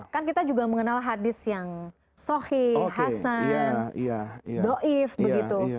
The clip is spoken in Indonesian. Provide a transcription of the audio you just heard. kan kita juga mengenal hadis yang sohi hasan do'if begitu